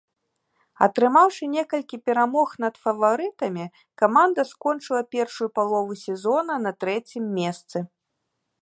Атрымаўшы некалькі перамог над фаварытамі, каманда скончыла першую палову сезона на трэцім месцы.